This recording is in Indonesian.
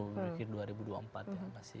mungkin dua ribu dua puluh empat ya